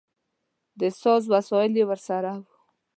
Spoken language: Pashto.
د ساز وسایل یې ورسره و.